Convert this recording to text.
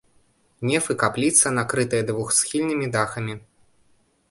Неф і капліца накрытыя двухсхільнымі дахамі.